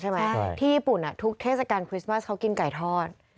ที่ญี่ปุ่นทุกเทศกาลคริสต์มาสเขากินไก่ทอด